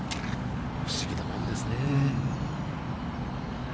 不思議なもんですね。